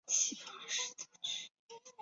该队现在参加西班牙足球丙级联赛。